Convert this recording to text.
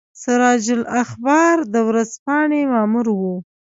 سراج الاخبار د ورځپاڼې مامور وو.